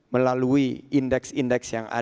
melalui indeks indeks yang ada